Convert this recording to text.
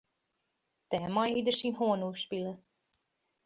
Dêrmei hied er syn hân oerspile.